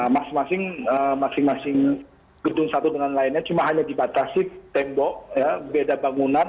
masing masing gedung satu dengan lainnya cuma hanya dibatasi tembok beda bangunan